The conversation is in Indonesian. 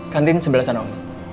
kantin sebelah sana om